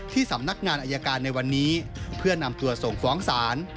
สำนักงานอายการในวันนี้เพื่อนำตัวส่งฟ้องศาล